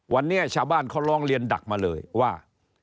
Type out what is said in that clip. วันนี้ชาวบ้านเขาร้องเรียนดักมาเลยว่า